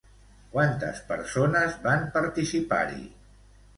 Quantes persones van participar-hi?